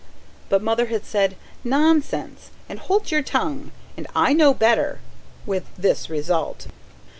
But Mother had said: "Nonsense!" and "Hold your tongue!" and "I know better," with this result.